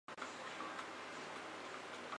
该物种的模式产地在印度特兰克巴尔。